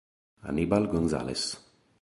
Aníbal González